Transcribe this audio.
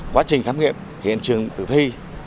quá trình khám nghiệm hiện trường tự thi